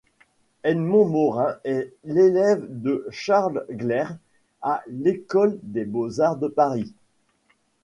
Edmond Morin est l'élève de Charles Gleyre à l'École des beaux-arts de Paris.